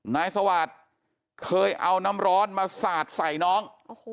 นายสวาสตร์เคยเอาน้ำร้อนมาสาดใส่น้อง